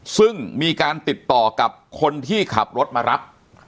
ซึ่งมีการติดต่อกับคนที่ขับรถมารับ